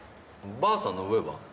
ばあさんの上は？